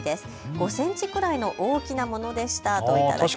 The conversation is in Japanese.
５センチくらいの大きなものでしたと頂きました。